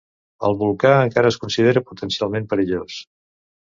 El volcà encara es considera potencialment perillós.